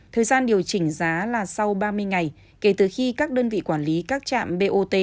thời gian điều chỉnh giá là sau ba mươi ngày kể từ khi các đơn vị quản lý các trạm bot